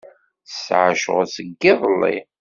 Tesɛa ccɣel seg iḍelli.